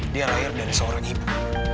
dia lahir dari seorang ibu